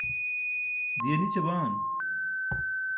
diye nićabaan